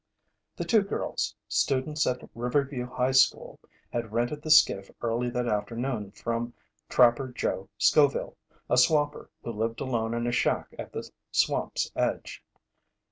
The two girls, students at Riverview high school, had rented the skiff early that afternoon from Trapper Joe Scoville, a swamper who lived alone in a shack at the swamp's edge.